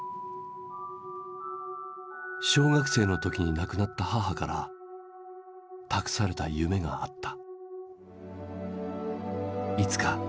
小学生の時に亡くなった母から託された夢があった。